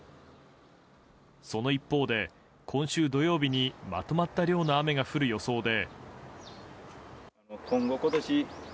その一方で今週土曜日にまとまった量の雨が降る予想で。